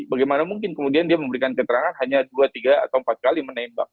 bagaimana mungkin kemudian dia memberikan keterangan hanya dua tiga atau empat kali menembak